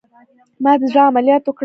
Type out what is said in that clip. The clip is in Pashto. ما د زړه عملیات وکړه